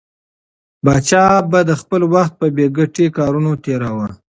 پاچا به خپل وخت په بې ګټې کارونو تېراوه.